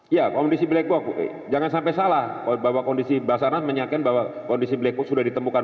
ya kondisi black box jangan sampai salah bahwa kondisi basarnas menyiapkan bahwa kondisi black box sudah ditemukan